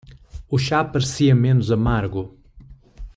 O chá parecia menos amargo.